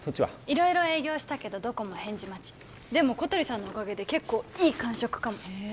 色々営業したけどどこも返事待ちでも小鳥さんのおかげで結構いい感触かもへえ